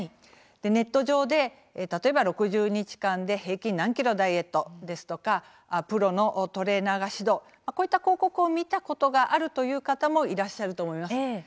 ネット上で６０日間で平均何ｋｇダイエットですとかプロのトレーナーが指導こういった広告を見たことがあるという方もいらっしゃると思います。